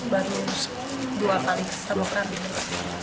baru dua kali sama perangkat